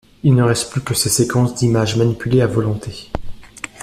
Il ne reste plus que ses séquences d’images manipulées à volonté.